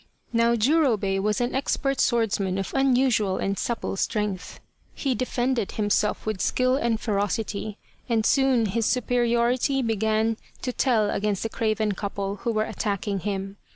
Now Jurobei was an expert swordsman of unusual and supple strength. He defended himself with 6 The Quest of the Sword skill and ferocity, and soon his superiority began to tell against the craven couple who were attacking him.